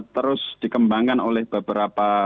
terus dikembangkan oleh beberapa